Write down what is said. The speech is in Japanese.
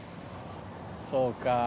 そうか。